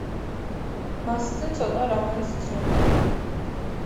მასზე ცოტა რამ არის ცნობილი.